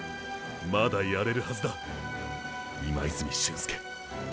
まだやれるはずだ今泉俊輔。